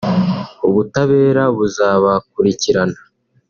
ubutabera buzabakurikirana